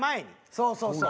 そうそうそう。